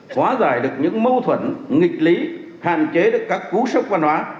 xóa giải được những mâu thuẫn nghịch lý hạn chế được các cú sốc văn hóa